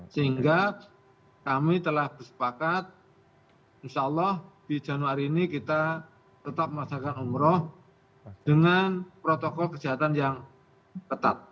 sehingga kami telah bersepakat insya allah di januari ini kita tetap melaksanakan umroh dengan protokol kesehatan yang ketat